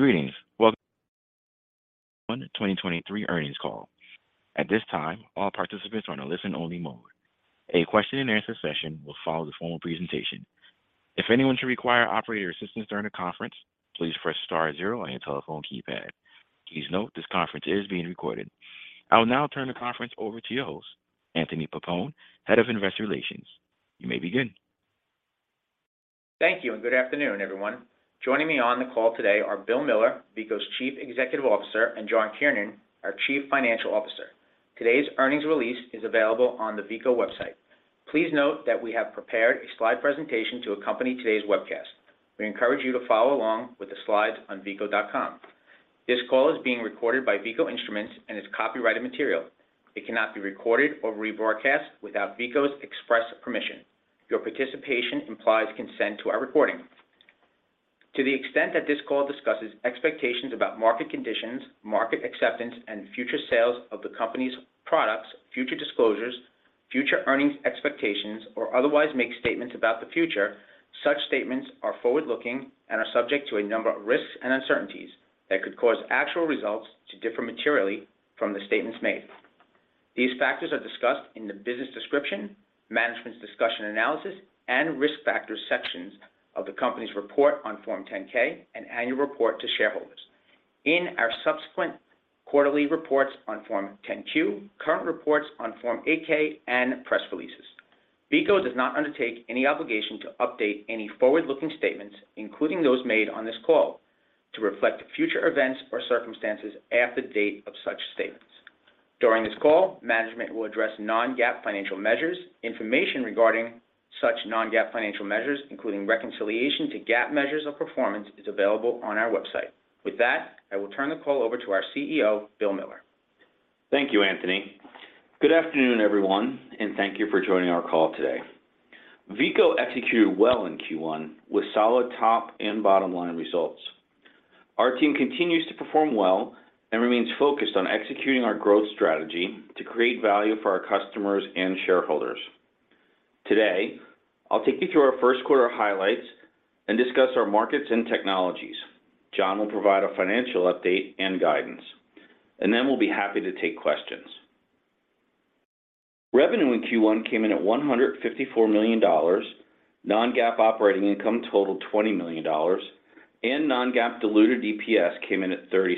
Greetings. Welcome 2023 earnings call. At this time, all participants are on a listen-only mode. A question and answer session will follow the formal presentation. If anyone should require operator assistance during the conference, please press star zero on your telephone keypad. Please note this conference is being recorded. I will now turn the conference over to your host, Anthony Pappone, Head of Investor Relations. You may begin. Thank you. Good afternoon, everyone. Joining me on the call today are Bill Miller, Veeco's Chief Executive Officer, and John Kiernan, our Chief Financial Officer. Today's earnings release is available on the Veeco website. Please note that we have prepared a slide presentation to accompany today's webcast. We encourage you to follow along with the slides on veeco.com. This call is being recorded by Veeco Instruments and is copyrighted material. It cannot be recorded or rebroadcast without Veeco's express permission. Your participation implies consent to our recording. To the extent that this call discusses expectations about market conditions, market acceptance, and future sales of the company's products, future disclosures, future earnings expectations, or otherwise makes statements about the future, such statements are forward-looking and are subject to a number of risks and uncertainties that could cause actual results to differ materially from the statements made. These factors are discussed in the Business Description, Management's Discussion Analysis, and Risk Factors sections of the company's report on Form 10-K and annual report to shareholders. In our subsequent quarterly reports on Form 10-Q, current reports on Form 8-K, and press releases. Veeco does not undertake any obligation to update any forward-looking statements, including those made on this call, to reflect future events or circumstances at the date of such statements. During this call, management will address non-GAAP financial measures. Information regarding such non-GAAP financial measures, including reconciliation to GAAP measures of performance, is available on our website. With that, I will turn the call over to our CEO, Bill Miller. Thank you, Anthony. Good afternoon everyone, thank you for joining our call today. Veeco executed well in Q1 with solid top and bottom-line results. Our team continues to perform well and remains focused on executing our growth strategy to create value for our customers and shareholders. Today, I'll take you through our first quarter highlights and discuss our markets and technologies. John will provide a financial update and guidance, and then we'll be happy to take questions. Revenue in Q1 came in at $154 million. non-GAAP operating income totaled $20 million, and non-GAAP diluted EPS came in at $0.30,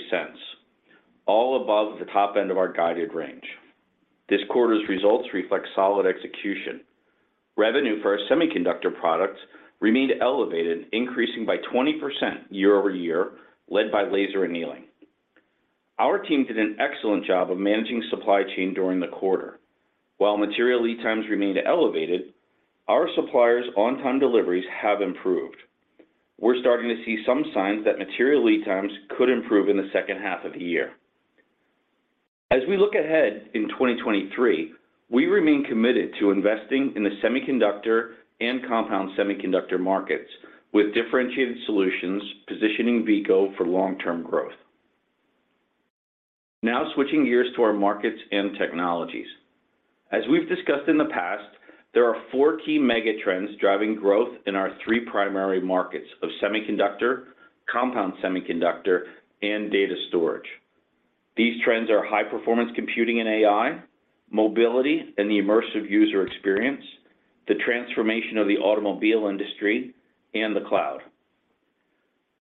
all above the top end of our guided range. This quarter's results reflect solid execution. Revenue for our semiconductor products remained elevated, increasing by 20% year-over-year, led by laser annealing. Our team did an excellent job of managing supply chain during the quarter. While material lead times remained elevated, our suppliers' on-time deliveries have improved. We're starting to see some signs that material lead times could improve in the second half of the year. As we look ahead in 2023, we remain committed to investing in the semiconductor and compound semiconductor markets with differentiated solutions, positioning Veeco for long-term growth. Switching gears to our markets and technologies. As we've discussed in the past, there are four key mega trends driving growth in our three primary markets of semiconductor, compound semiconductor, and data storage. These trends are high-performance computing and AI, mobility, and the immersive user experience, the transformation of the automobile industry, and the cloud.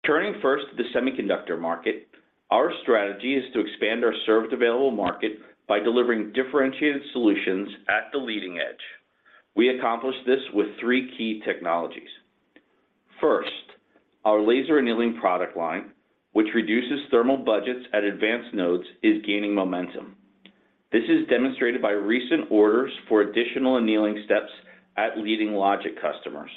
Turning first to the semiconductor market, our strategy is to expand our served available market by delivering differentiated solutions at the leading edge. We accomplish this with three key technologies. First, our laser annealing product line, which reduces thermal budgets at advanced nodes, is gaining momentum. This is demonstrated by recent orders for additional annealing steps at leading logic customers.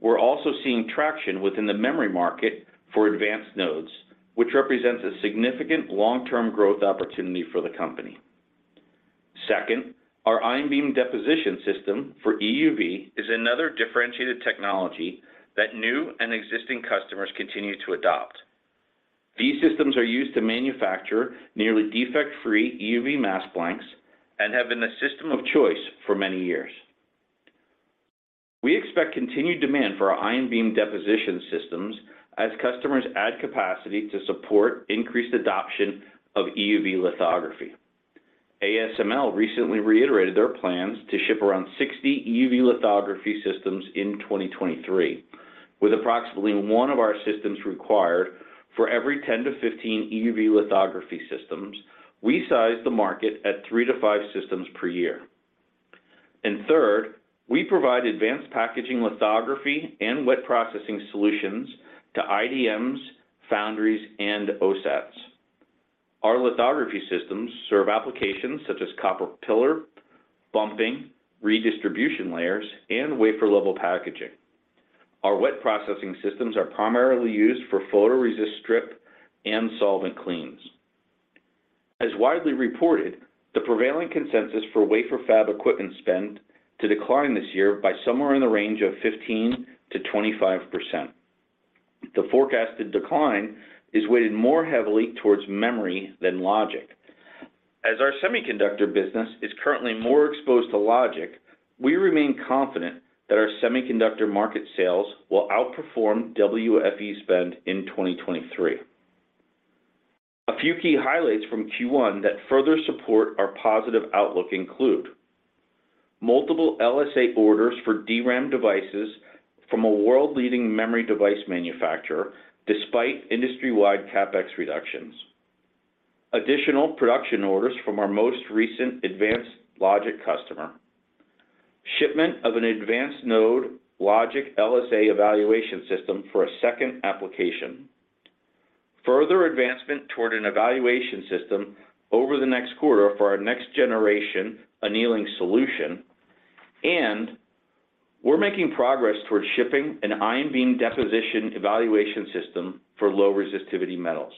We're also seeing traction within the memory market for advanced nodes, which represents a significant long-term growth opportunity for the company. Second, our ion beam deposition system for EUV is another differentiated technology that new and existing customers continue to adopt. These systems are used to manufacture nearly defect-free EUV mask blanks and have been the system of choice for many years. We expect continued demand for our ion beam deposition systems as customers add capacity to support increased adoption of EUV lithography. ASML recently reiterated their plans to ship around 60 EUV lithography systems in 2023. With approximately 1 of our systems required for every 10 to 15 EUV lithography systems, we size the market at 3 to 5 systems per year. Third, we provide advanced packaging lithography and wet processing solutions to IDMs, foundries, and OSATs. Our lithography systems serve applications such as copper pillar, bumping, redistribution layers, and wafer-level packaging. Our wet processing systems are primarily used for photoresist strip and solvent cleans. As widely reported, the prevailing consensus for wafer fab equipment spend to decline this year by somewhere in the range of 15 to 25%. The forecasted decline is weighted more heavily towards memory than logic. As our semiconductor business is currently more exposed to logic, we remain confident that our semiconductor market sales will outperform WFE spend in 2023. A few key highlights from Q1 that further support our positive outlook include multiple LSA orders for DRAM devices from a world-leading memory device manufacturer, despite industry-wide CapEx reductions. Additional production orders from our most recent advanced logic customer. Shipment of an advanced-node logic LSA evaluation system for a second application. Further advancement toward an evaluation system over the next quarter for our next-generation annealing solution. We're making progress towards shipping an ion beam deposition evaluation system for low resistivity metals.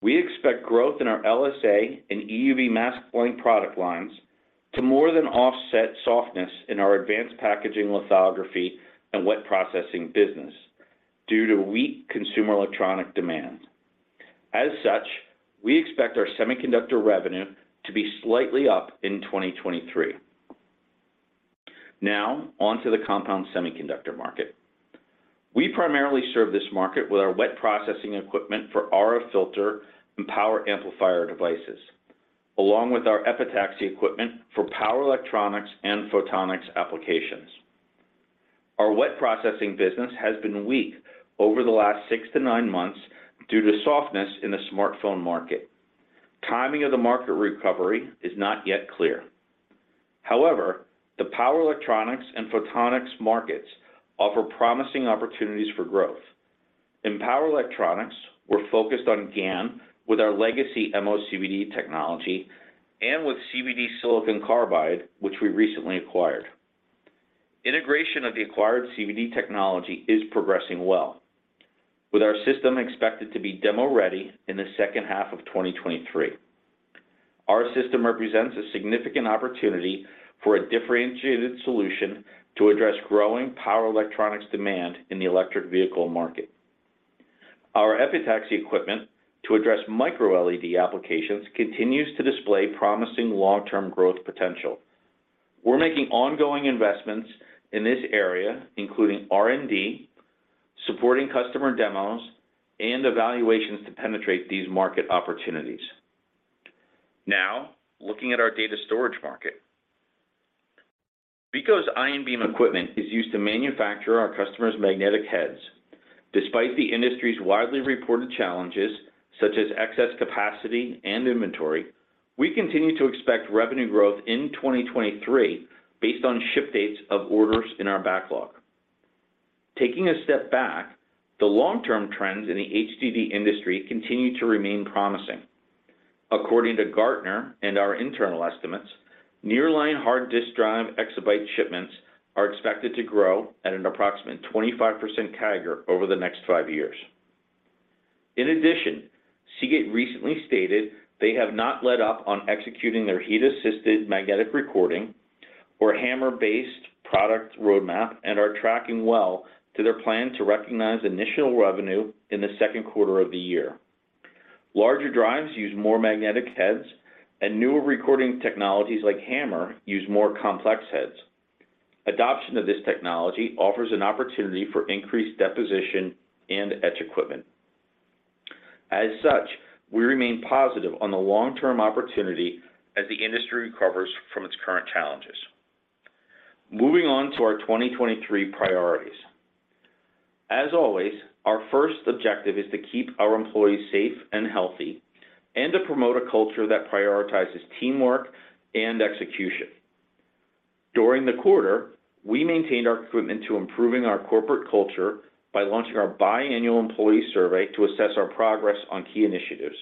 We expect growth in our LSA and EUV mask blank product lines to more than offset softness in our advanced packaging lithography and wet processing business due to weak consumer electronic demand. As such, we expect our semiconductor revenue to be slightly up in 2023. Now on to the compound semiconductor market. We primarily serve this market with our wet processing equipment for RF filter and power amplifier devices, along with our epitaxy equipment for power electronics and photonics applications. Our wet processing business has been weak over the last 6 to 9 months due to softness in the smartphone market. Timing of the market recovery is not yet clear. The power electronics and photonics markets offer promising opportunities for growth. In power electronics, we're focused on GaN with our legacy MOCVD technology and with CVD silicon carbide, which we recently acquired. Integration of the acquired CVD technology is progressing well with our system expected to be demo-ready in the second half of 2023. Our system represents a significant opportunity for a differentiated solution to address growing power electronics demand in the electric vehicle market. Our epitaxy equipment to address micro LED applications continues to display promising long-term growth potential. We're making ongoing investments in this area, including R&D, supporting customer demos, and evaluations to penetrate these market opportunities. Looking at our data storage market. Veeco's ion beam equipment is used to manufacture our customers' magnetic heads. Despite the industry's widely reported challenges, such as excess capacity and inventory, we continue to expect revenue growth in 2023 based on ship dates of orders in our backlog. Taking a step back, the long-term trends in the HDD industry continue to remain promising. According to Gartner and our internal estimates, nearline hard disk drive exabyte shipments are expected to grow at an approximate 25% CAGR over the next five years. In addition, Seagate recently stated they have not let up on executing their heat-assisted magnetic recording or HAMR-based product roadmap and are tracking well to their plan to recognize initial revenue in the Q2 of the year. Larger drives use more magnetic heads, and newer recording technologies like HAMR use more complex heads. Adoption of this technology offers an opportunity for increased deposition and etch equipment. As such, we remain positive on the long-term opportunity as the industry recovers from its current challenges. Moving on to our 2023 priorities. As always, our first objective is to keep our employees safe and healthy and to promote a culture that prioritizes teamwork and execution. During the quarter, we maintained our commitment to improving our corporate culture by launching our biannual employee survey to assess our progress on key initiatives.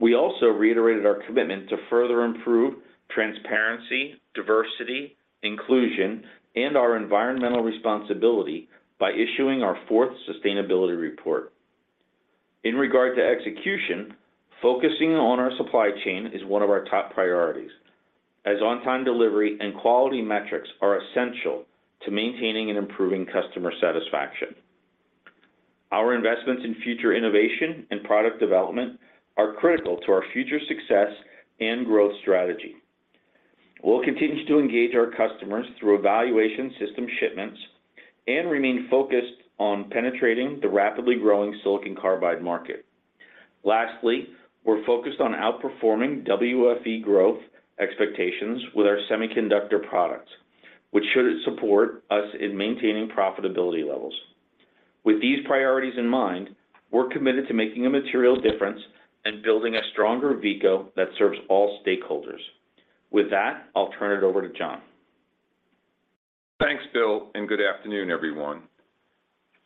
We also reiterated our commitment to further improve transparency, diversity, inclusion, and our environmental responsibility by issuing our fourth sustainability report. In regard to execution, focusing on our supply chain is one of our top priorities, as on-time delivery and quality metrics are essential to maintaining and improving customer satisfaction. Our investments in future innovation and product development are critical to our future success and growth strategy. We'll continue to engage our customers through evaluation system shipments and remain focused on penetrating the rapidly growing silicon carbide market. Lastly, we're focused on outperforming WFE growth expectations with our semiconductor products, which should support us in maintaining profitability levels. With these priorities in mind, we're committed to making a material difference and building a stronger Veeco that serves all stakeholders. With that, I'll turn it over to John. Thanks Bill. Good afternoon everyone.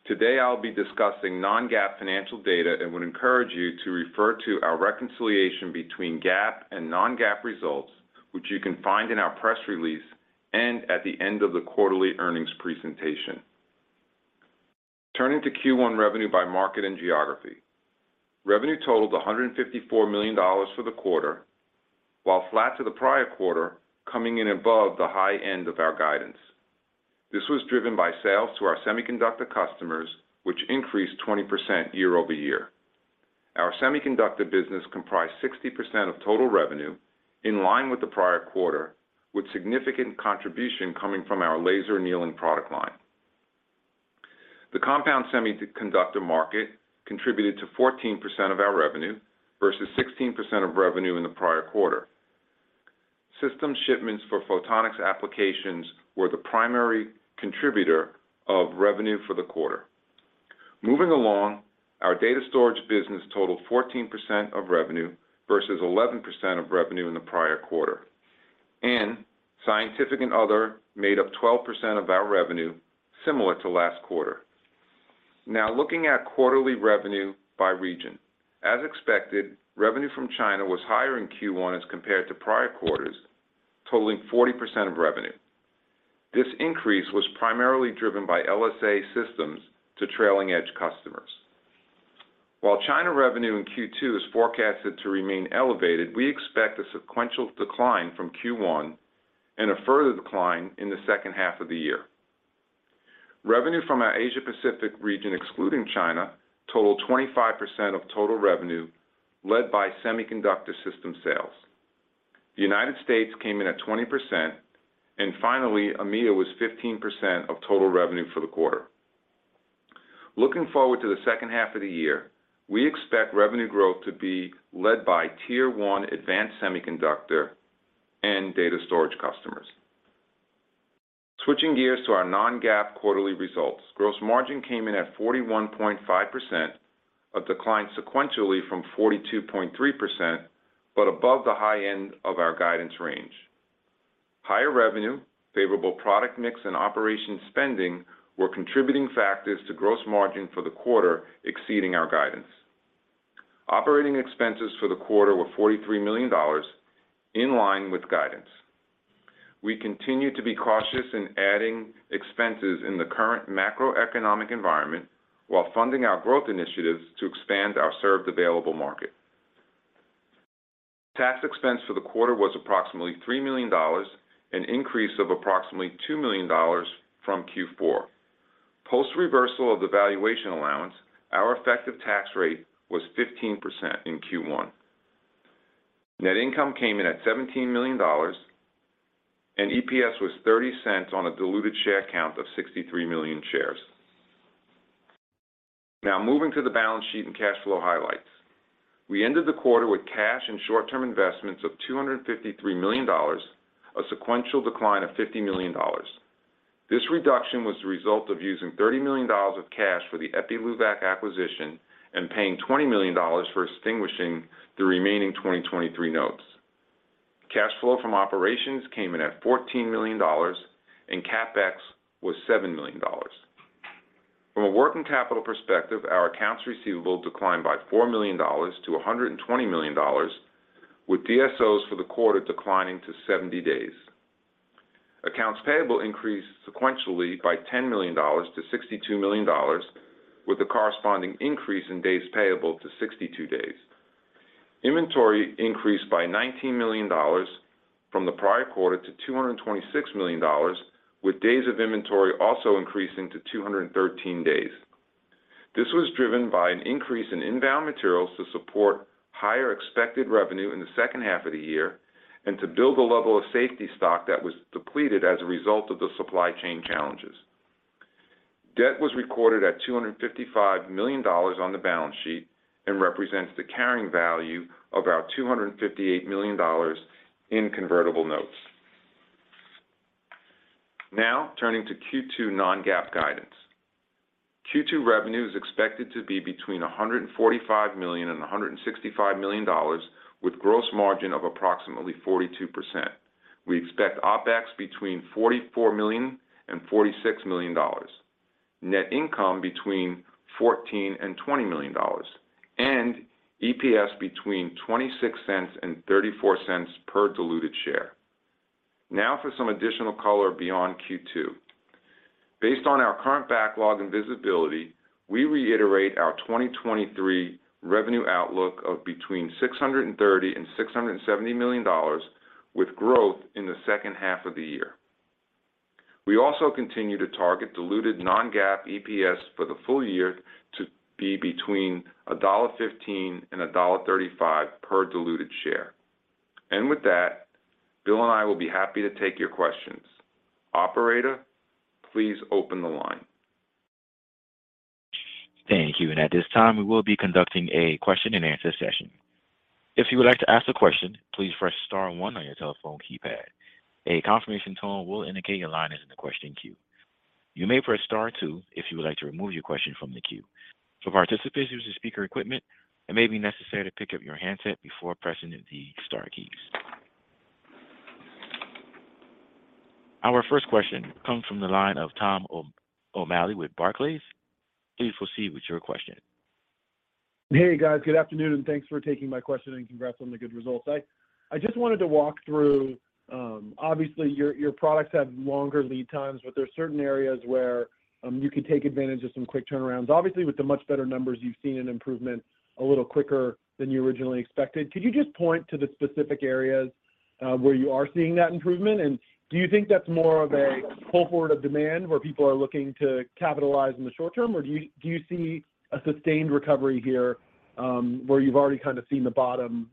Today I'll be discussing non-GAAP financial data and would encourage you to refer to our reconciliation between GAAP and non-GAAP results, which you can find in our press release and at the end of the quarterly earnings presentation. Turning to Q1 revenue by market and geography. Revenue totaled $154 million for the quarter, while flat to the prior quarter, coming in above the high end of our guidance. This was driven by sales to our semiconductor customers, which increased 20% year-over-year. Our semiconductor business comprised 60% of total revenue, in line with the prior quarter, with significant contribution coming from our laser annealing product line. The compound semiconductor market contributed 14% of our revenue versus 16% of revenue in the prior quarter. System shipments for photonics applications were the primary contributor of revenue for the quarter. Moving along, our data storage business totaled 14% of revenue versus 11% of revenue in the prior quarter. Scientific and other made up 12% of our revenue, similar to last quarter. Now looking at quarterly revenue by region. As expected, revenue from China was higher in Q1 as compared to prior quarters, totaling 40% of revenue. This increase was primarily driven by LSA systems to trailing edge customers. While China revenue in Q2 is forecasted to remain elevated, we expect a sequential decline from Q1 and a further decline in the second half of the year. Revenue from our Asia Pacific region, excluding China, totaled 25% of total revenue, led by semiconductor system sales. The United States came in at 20%. Finally, EMEIA was 15% of total revenue for the quarter. Looking forward to the second half of the year, we expect revenue growth to be led by tier one advanced semiconductor and data storage customers. Switching gears to our non-GAAP quarterly results. Gross margin came in at 41.5%, a decline sequentially from 42.3%, but above the high end of our guidance range. Higher revenue, favorable product mix and operation spending were contributing factors to gross margin for the quarter exceeding our guidance. Operating expenses for the quarter were $43 million, in line with guidance. We continue to be cautious in adding expenses in the current macroeconomic environment while funding our growth initiatives to expand our served available market. Tax expense for the quarter was approximately $3 million, an increase of approximately $2 million from Q4. Post reversal of the valuation allowance, our effective tax rate was 15% in Q1. Net income came in at $17 million, and EPS was $0.30 on a diluted share count of 63 million shares. Moving to the balance sheet and cash flow highlights. We ended the quarter with cash and short-term investments of $253 million, a sequential decline of $50 million. This reduction was the result of using $30 million of cash for the Epiluvac acquisition and paying $20 million for extinguishing the remaining 2023 notes. Cash flow from operations came in at $14 million, and CapEx was $7 million. From a working capital perspective, our accounts receivable declined by $4 million to $120 million, with DSOs for the quarter declining to 70 days. Accounts payable increased sequentially by $10 million to $62 million, with the corresponding increase in days payable to 62 days. Inventory increased by $19 million from the prior quarter to $226 million, with days of inventory also increasing to 213 days. This was driven by an increase in inbound materials to support higher expected revenue in the second half of the year and to build a level of safety stock that was depleted as a result of the supply chain challenges. Debt was recorded at $255 million on the balance sheet and represents the carrying value of our $258 million in convertible notes. Turning to Q2 non-GAAP guidance. Q2 revenue is expected to be between $145 to 165 million with gross margin of approximately 42%. We expect OpEx between $44 to 46 million. Net income between $14 and 20 million and EPS between $0.26 and $0.34 per diluted share. For some additional color beyond Q2. Based on our current backlog and visibility, we reiterate our 2023 revenue outlook of between $630 and 670 million, with growth in the second half of the year. We also continue to target diluted non-GAAP EPS for the full year to be between $1.15 and 1.35 per diluted share. With that, Bill and I will be happy to take your questions. Operator, please open the line. Thank you. At this time, we will be conducting a question and answer session. If you would like to ask a question, please press star one on your telephone keypad. A confirmation tone will indicate your line is in the question queue. You may press star two if you would like to remove your question from the queue. For participants using speaker equipment, it may be necessary to pick up your handset before pressing the star keys. Our first question comes from the line of Tom O'Malley with Barclays. Please proceed with your question. Hey guys. Good afternoon, and thanks for taking my question and congrats on the good results. I just wanted to walk through, obviously your products have longer lead times but there are certain areas where you can take advantage of some quick turnarounds. Obviously, with the much better numbers, you've seen an improvement a little quicker than you originally expected. Could you just point to the specific areas where you are seeing that improvement? Do you think that's more of a pull forward of demand where people are looking to capitalize in the short term? Or do you see a sustained recovery here, where you've already kind of seen the bottom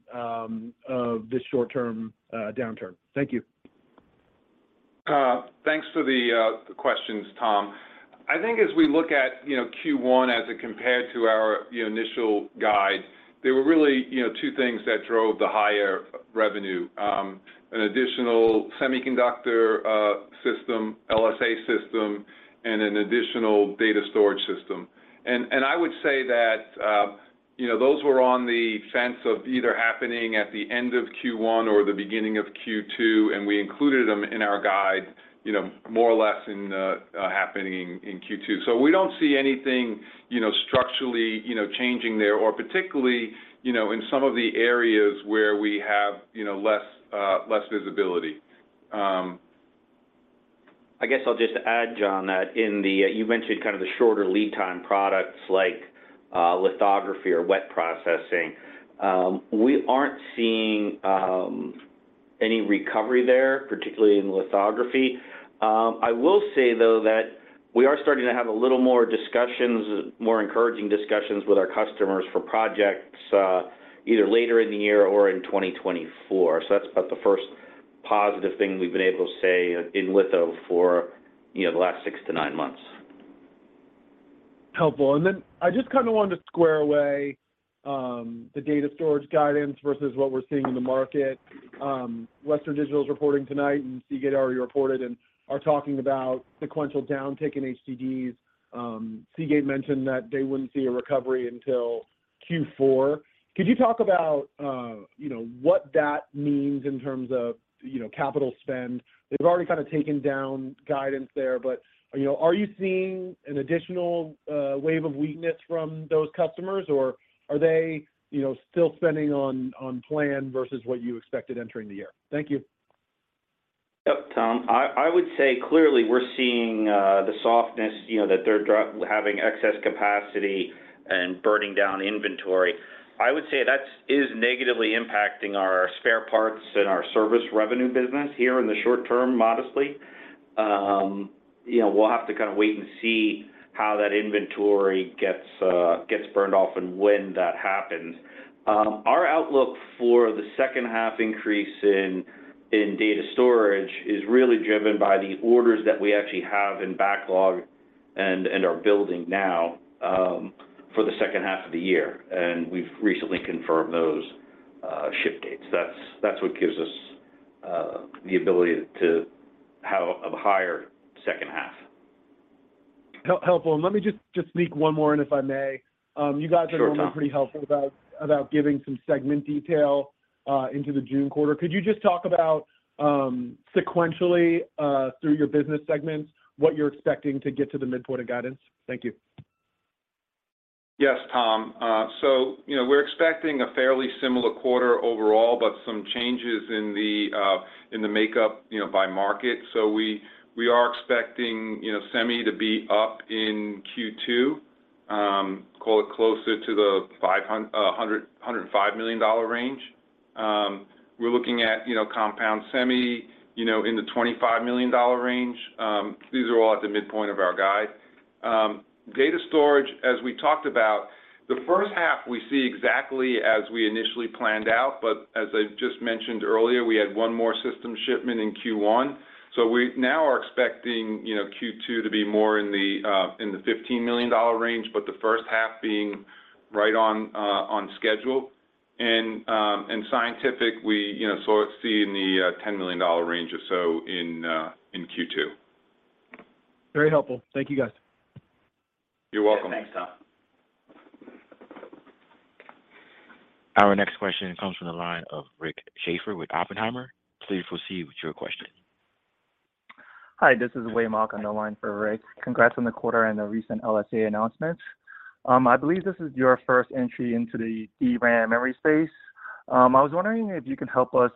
of this short term downturn? Thank you. Thanks for the questions Tom. I think as we look at, you know, Q1 as it compared to our initial guide, there were really, you know, 2 things that drove the higher revenue. An additional semiconductor system, LSA system, and an additional data storage system. I would say that, you know, those were on the fence of either happening at the end of Q1 or the beginning of Q2, and we included them in our guide, you know, more or less in happening in Q2. We don't see anything, you know, structurally, you know, changing there, or particularly, you know, in some of the areas where we have, you know, less, less visibility. I guess I'll just add John, that in the, you mentioned kind of the shorter lead time products like, lithography or wet processing. We aren't seeing any recovery there, particularly in lithography. I will say though that we are starting to have a little more discussions, more encouraging discussions with our customers for projects, either later in the year or in 2024. That's about the first positive thing we've been able to say in litho for, you know, the last 6 to 9 months. Helpful. I just kind of wanted to square away, the data storage guidance versus what we're seeing in the market. Western Digital's reporting tonight, Seagate already reported and are talking about sequential downtick in HDDs. Seagate mentioned that they wouldn't see a recovery until Q4. Could you talk about, you know, what that means in terms of, you know, capital spend? They've already kind of taken down guidance there, but, you know, are you seeing an additional, wave of weakness from those customers, or are they, you know, still spending on plan versus what you expected entering the year? Thank you. Yep Tom. I would say clearly we're seeing the softness, you know, that they're having excess capacity and burning down inventory. I would say that's negatively impacting our spare parts and our service revenue business here in the short term, modestly. You know, we'll have to kind of wait and see how that inventory gets burned off and when that happens. Our outlook for the second half increase in data storage is really driven by the orders that we actually have in backlog and are building now for the second half of the year, and we've recently confirmed those ship dates. That's what gives us the ability to have a higher second half. Helpful. Let me just sneak 1 more in, if I may. Sure Tom.... are normally pretty helpful about giving some segment detail into the June quarter. Could you just talk about sequentially through your business segments, what you're expecting to get to the midpoint of guidance? Thank you. Yes Tom. So you know, we're expecting a fairly similar quarter overall, but some changes in the makeup, you know, by market. We are expecting, you know, semi to be up in Q2, call it closer to the $105 million range. We're looking at, you know, compound semi, you know, in the $25 million range. These are all at the midpoint of our guide. Data storage, as we talked about, the first half we see exactly as we initially planned out, but as I just mentioned earlier, we had one more system shipment in Q1. We now are expecting, you know, Q2 to be more in the $15 million range, but the first half being right on schedule. scientific we, you know, sort of see in the $10 million range or so in Q2. Very helpful. Thank you, guys. You're welcome. Yeah thanks Tom. Our next question comes from the line of Rick Schafer with Oppenheimer. Please proceed with your question. Hi, this is Wei Mok on the line for Rick. Congrats on the quarter and the recent LSA announcement. I believe this is your first entry into the DRAM memory space. I was wondering if you could help us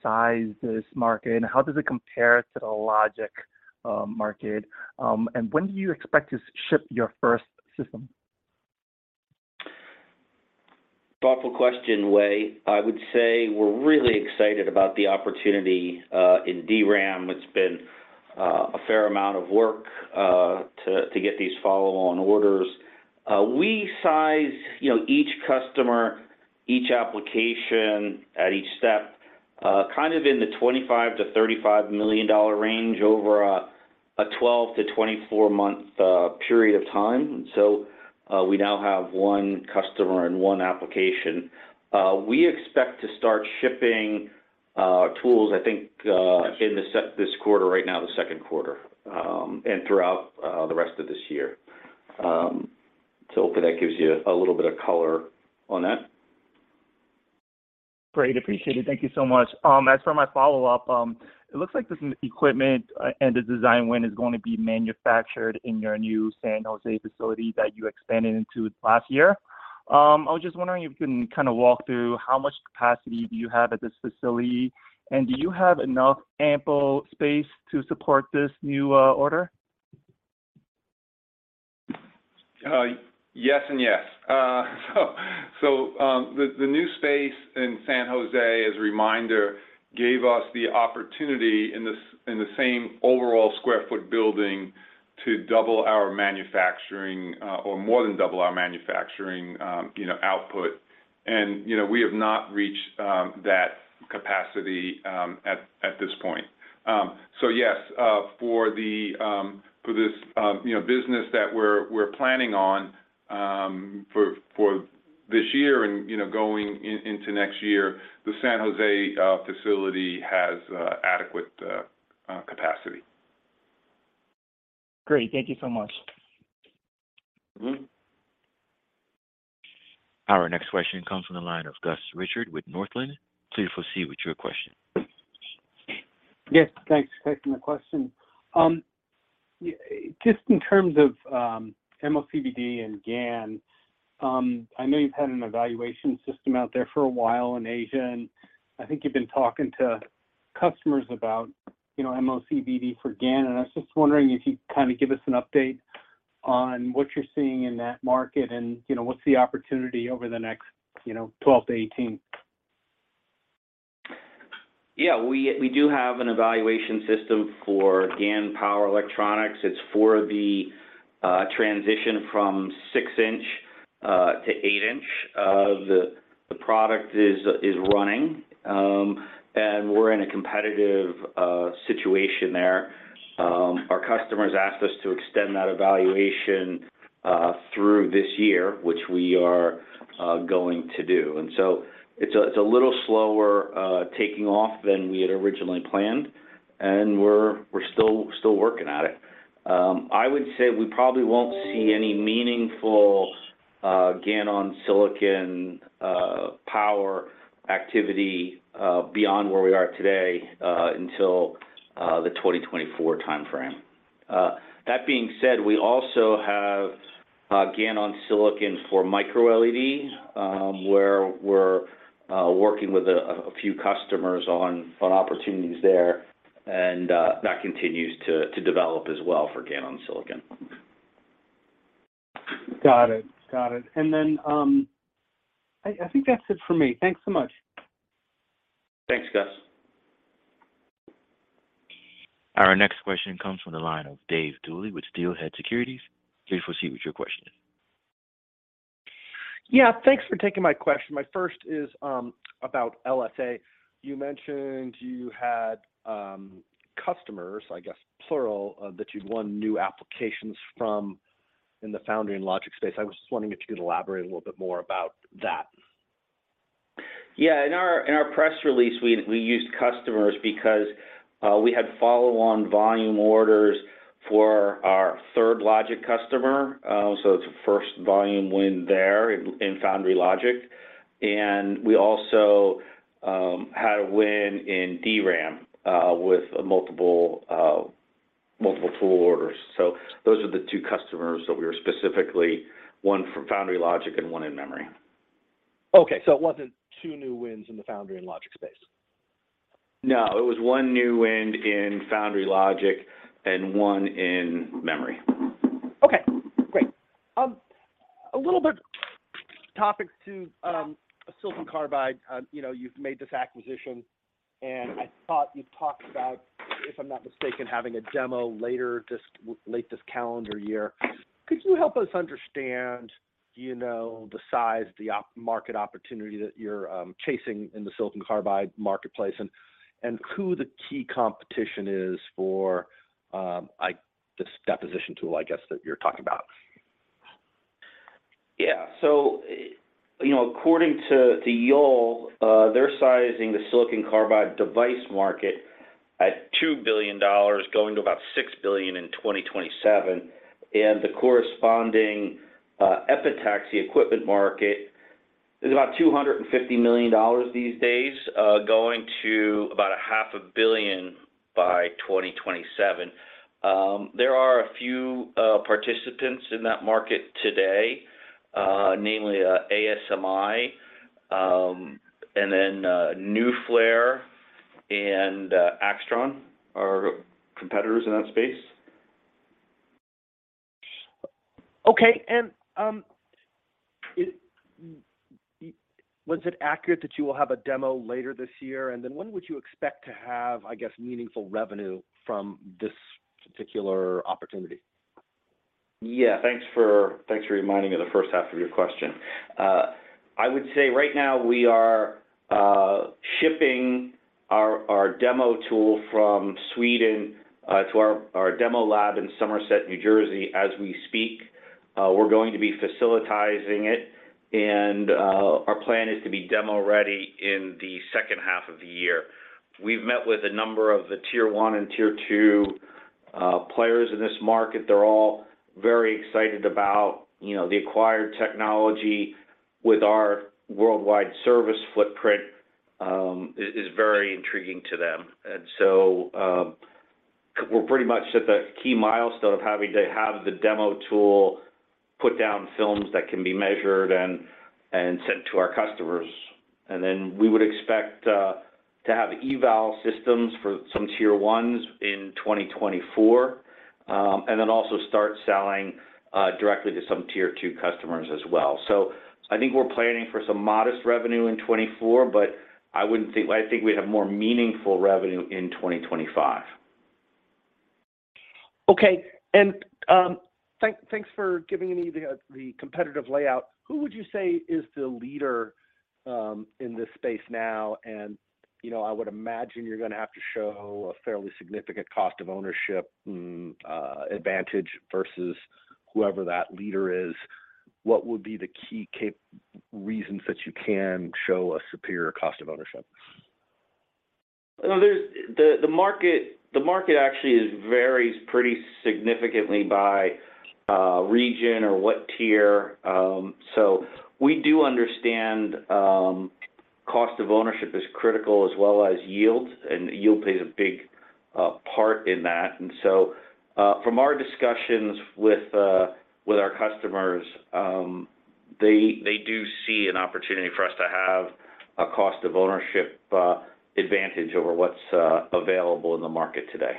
size this market, and how does it compare to the logic market? When do you expect to ship your first system? Thoughtful question, Wei. I would say we're really excited about the opportunity in DRAM. It's been a fair amount of work to get these follow-on orders. We size, you know, each customer, each application at each step, kind of in the $25 to 35 million range over a 12 to 24 month period of time. We now have 1 customer and 1 application. We expect to start shipping tools, I think, in this quarter right now, the Q2, and throughout the rest of this year. Hopefully that gives you a little bit of color on that. Great. Appreciate it. Thank you so much. As for my follow-up, it looks like this equipment, and the design win is going to be manufactured in your new San Jose facility that you expanded into last year. I was just wondering if you can kind of walk through how much capacity do you have at this facility, do you have enough ample space to support this new order? Yes and yes. So the new space in San Jose, as a reminder, gave us the opportunity in the same overall square foot building to double our manufacturing, or more than double our manufacturing, you know, output. You know, we have not reached that capacity at this point. Yes, for the, for this business that we're planning on, for this year and, you know, going into next year, the San Jose facility has adequate capacity. Great. Thank you so much. Mm-hmm. Our next question comes from the line of Gus Richard with Northland. Please proceed with your question. thanks for taking the question. just in terms of MOCVD and GaN, I know you've had an evaluation system out there for a while in Asia, and I think you've been talking to customers about, you know, MOCVD for GaN, and I was just wondering if you'd kind of give us an update on what you're seeing in that market and, you know, what's the opportunity over the next, you know, 12 to 18. Yeah. We do have an evaluation system for GaN power electronics. It's for the transition from 6 inch to 8-inch. The product is running, and we're in a competitive situation there. Our customers asked us to extend that evaluation through this year, which we are going to do. It's a little slower taking off than we had originally planned, and we're still working at it. I would say we probably won't see any meaningful GaN on silicon power activity beyond where we are today until the 2024 timeframe. That being said we also have GaN on silicon for micro LED, where we're working with a few customers on opportunities there, and that continues to develop as well for GaN on silicon. Got it. Got it. I think that's it for me. Thanks so much. Thanks Gus. Our next question comes from the line of David Duley with Steelhead Securities. Please proceed with your question. Yeah thanks for taking my question. My first is about LSA. You mentioned you had customers, I guess plural, that you'd won new applications from in the foundry and logic space. I was just wondering if you could elaborate a little bit more about that? Yeah. In our press release, we used customers because we had follow-on volume orders for our third logic customer. It's a first volume win there in foundry logic. We also had a win in DRAM with multiple tool orders. Those are the 2 customers that we were specifically. 1 for foundry logic and 1 in memory. Okay, it wasn't 2 new wins in the foundry and logic space? No, it was 1 new win in foundry logic and 1 in memory. Okay, great. A little bit topic to silicon carbide. You know, you've made this acquisition, and I thought you talked about, if I'm not mistaken, having a demo later this late this calendar year. Could you help us understand, you know, the size, the market opportunity that you're chasing in the silicon carbide marketplace and who the key competition is for, like this deposition tool, I guess, that you're talking about? You know, according to Yole, they're sizing the silicon carbide device market at $2 billion going to about $6 billion in 2027, and the corresponding epitaxy equipment market is about $250 million these days, going to about a half a billion by 2027. There are a few participants in that market today, namely, ASMI, and then NuFlare and Aixtron are competitors in that space. Okay. Was it accurate that you will have a demo later this year, and then when would you expect to have, I guess, meaningful revenue from this particular opportunity? Yeah. Thanks for, thanks for reminding me of the first half of your question. I would say right now we are shipping our demo tool from Sweden to our demo lab in Somerset, New Jersey as we speak. We're going to be facilitizing it, and our plan is to be demo ready in the second half of the year. We've met with a number of the tier one and tier 2 players in this market. They're all very excited about, you know, the acquired technology with our worldwide service footprint is very intriguing to them. We're pretty much at the key milestone of having to have the demo tool put down films that can be measured and sent to our customers. We would expect to have eval systems for some tier ones in 2024, and then also start selling directly to some tier two customers as well. I think we're planning for some modest revenue in 24. I think we'd have more meaningful revenue in 2025. Okay. Thanks for giving me the competitive layout. Who would you say is the leader, in this space now? You know, I would imagine you're gonna have to show a fairly significant cost of ownership advantage versus whoever that leader is. What would be the key reasons that you can show a superior cost of ownership? Well, the market actually varies pretty significantly by region or what tier. We do understand cost of ownership is critical as well as yields, and yield plays a big part in that. From our discussions with our customers, they do see an opportunity for us to have a cost of ownership advantage over what's available in the market today.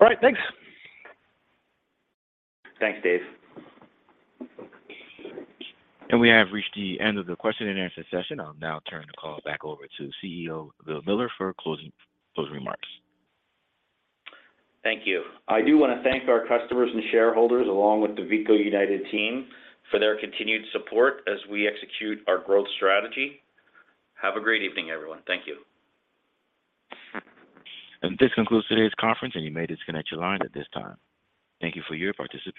All right. Thanks. Thanks Dave. We have reached the end of the question and answer session. I'll now turn the call back over to CEO Bill Miller for closing remarks. Thank you. I do wanna thank our customers and shareholders, along with the Veeco United team for their continued support as we execute our growth strategy. Have a great evening, everyone. Thank you. This concludes today's conference, and you may disconnect your lines at this time. Thank you for your participation.